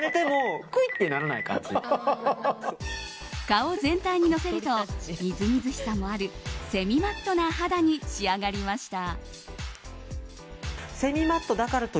顔全体にのせるとみずみずしさもあるセミマットな肌に仕上がりました。